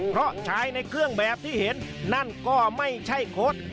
เพราะชายในเครื่องแบบที่เห็นนั่นก็ไม่ใช่โค้ด